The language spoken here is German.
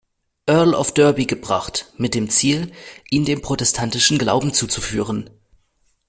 Earl of Derby gebracht, mit dem Ziel, ihn dem protestantischen Glauben zuzuführen.